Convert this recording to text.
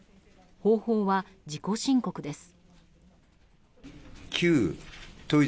方法は自己申告です。